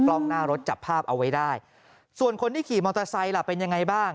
กล้องหน้ารถจับภาพเอาไว้ได้ส่วนคนที่ขี่มอเตอร์ไซค์ล่ะเป็นยังไงบ้าง